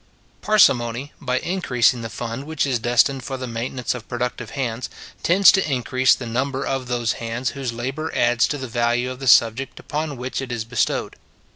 Parsimony, by increasing the fund which is destined for the maintenance of productive hands, tends to increase the number of those hands whose labour adds to the value of the subject upon which it is bestowed.